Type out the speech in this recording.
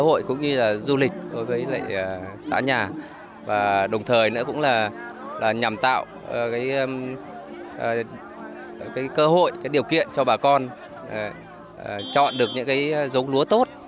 lễ hội cũng như là du lịch với xã nhà và đồng thời cũng là nhằm tạo cơ hội điều kiện cho bà con chọn được những dống lúa tốt